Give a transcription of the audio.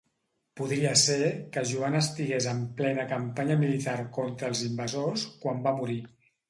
Podria ser que Joan estigués en plena campanya militar contra els invasors quan va morir.